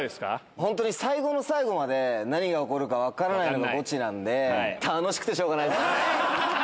本当に最後の最後まで、何が起こるか分からないのがゴチなんで、楽しくてしょうがないです。